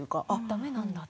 だめなんだって。